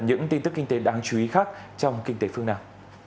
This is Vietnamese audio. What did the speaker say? những tin tức kinh tế đáng chú ý khác trong kinh tế phương nam